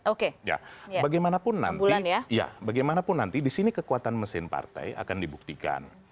oke bagaimanapun nanti di sini kekuatan mesin partai akan dibuktikan